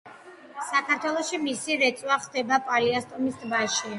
საქართველოში მისი რეწვა ხდება პალიასტომის ტბაში.